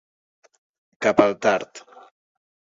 Cap al tard.